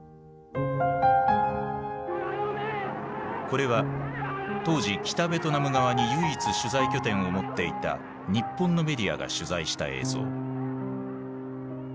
これは当時北ベトナム側に唯一取材拠点を持っていた日本のメディアが取材した映像。